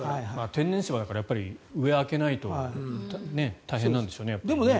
天然芝だから上を開けないと大変なんでしょうね。